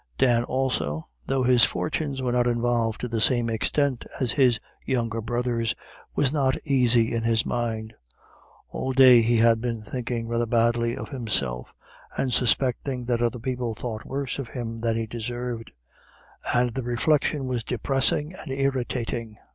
Dan also, though his fortunes were not involved to the same extent as his younger brother's, was not easy in his mind. All day he had been thinking rather badly of himself, and suspecting that other people thought worse of him than he deserved, and the reflection was depressing and irritating.